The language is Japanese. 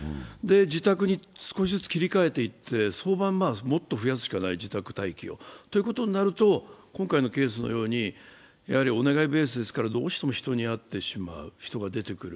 自宅に少しずつ切り替えていって、早晩もっと自宅待機を増やすしかない。ということになると、今回のケースのように、お願いベースですからどうしても人に会ってしまう人が出てくる。